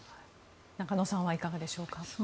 中野さんはいかがでしょうか。